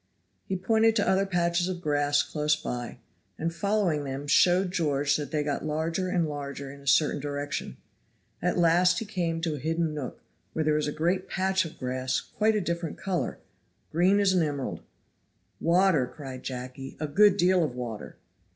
He pointed to other patches of grass close by, and following them showed George that they got larger and larger in a certain direction. At last he came to a hidden nook, where was a great patch of grass quite a different color, green as an emerald. "Water," cried Jacky, "a good deal of water."